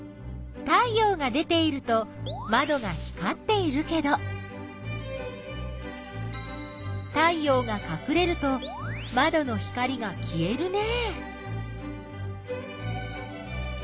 太陽が出ているとまどが光っているけど太陽がかくれるとまどの光がきえるね。